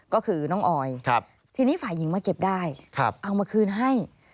ก็คือน้องออยทีนี้ฝ่ายหญิงมาเก็บได้เอามาคืนให้